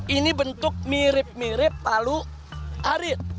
ini bentuk mirip mirip palu arit